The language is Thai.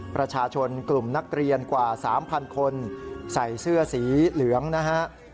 ประชาชนกลุ่มนักเรียนกว่า๓๐๐คนใส่เสื้อสีเหลืองนะฮะ